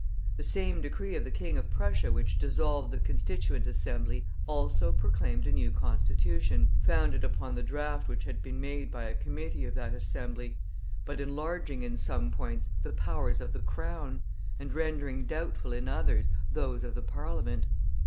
The same decree of the King of Prussia which dissolved the Constituent Assembly also proclaimed a new Constitution, founded upon the draft which had been made by a Committee of that Assembly, but enlarging in some points the powers of the Crown, and rendering doubtful in others those of the Parliament.